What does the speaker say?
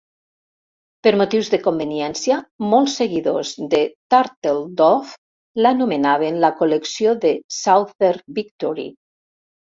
Per motius de conveniència, molts seguidors de "Turtledove" l'anomenen la col·lecció del "Southern Victory".